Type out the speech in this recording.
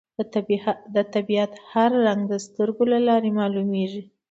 د طبیعت هر رنګ د سترګو له لارې معلومېږي